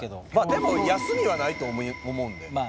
でも休みはないと思うんで。